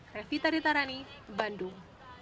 revita ditarani bandung